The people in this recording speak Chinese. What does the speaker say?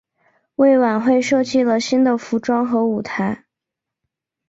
为晚会设计了新的装饰和舞台。